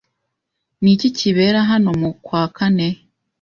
Ni iki kibera hano mu kwa kane?